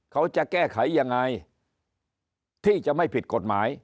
เขาจะแก้ไขยังไงที่จะไม่ผิดกฎหมาย